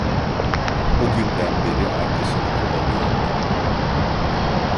O günden beri arkasını kovalıyordu.